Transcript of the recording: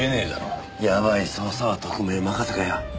やばい捜査は特命任せかよ。